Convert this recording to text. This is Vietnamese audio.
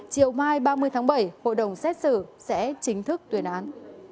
chiều mai ba mươi tháng bảy hội đồng xét xử sẽ chính thức tuyên án